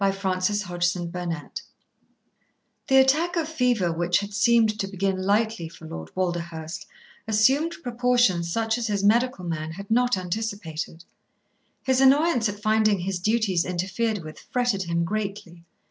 Chapter Twenty two The attack of fever which had seemed to begin lightly for Lord Walderhurst assumed proportions such as his medical man had not anticipated. His annoyance at finding his duties interfered with fretted him greatly.